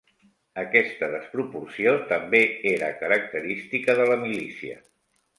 Aquesta desproporció també era característica de la milícia.